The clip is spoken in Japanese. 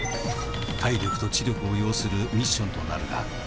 「体力と知力を要するミッションとなるが」